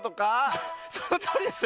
そのとおりです。